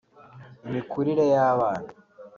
imikurire y’abana